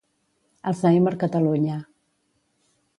Alzheimer Catalunya.